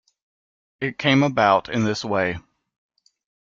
It came about in this way.